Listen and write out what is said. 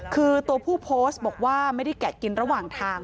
คือตัวผู้โพสต์บอกว่าไม่ได้แกะกินระหว่างทาง